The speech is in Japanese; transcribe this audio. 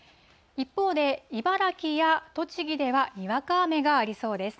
一方で、茨城や栃木では、にわか雨がありそうです。